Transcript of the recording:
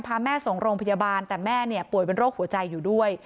พาแม่ส่งโรงพยาบาลแต่แม่เนี่ยป่วยเป็นโรคหัวใจอยู่ด้วย